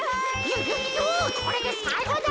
これでさいごだ。